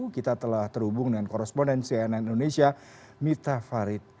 kita telah terhubung dengan korresponden cna indonesia miftah farid